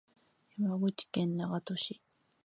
山口県長門市